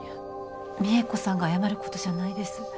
美恵子さんが謝ることじゃないです。